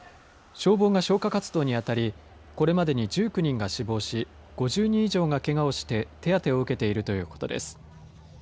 消防が消火活動に当たりこれまでに１９人が死亡し５０人以上がけがをして手当てを受けているということです。